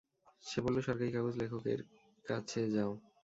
সে বললো সরকারি কাগজ লেখকের কাছে যাও।